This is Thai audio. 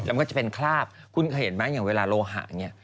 มันก็จะเป็นคราบคุณเคยเห็นไหมอย่างเวลาโลหะเนี่ย